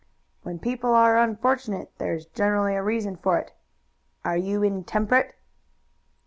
"When people are unfortunate there is generally a reason for it. Are you intemperate?"